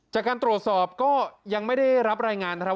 จากการตรวจสอบก็ยังไม่ได้รับรายงานนะครับ